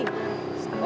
setelah lagi gue